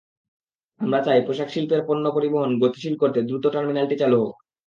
আমরা চাই, পোশাকশিল্পের পণ্য পরিবহন গতিশীল করতে দ্রুত টার্মিনালটি চালু হোক।